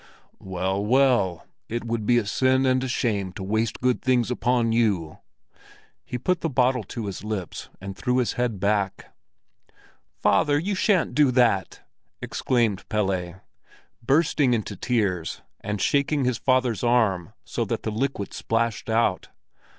"Well, well, it would be a sin and a shame to waste good things upon you." He put the bottle to his lips and threw back his head. "Father, you shan't do that!" exclaimed Pelle, bursting into tears and shaking his father's arm so that the liquid splashed out.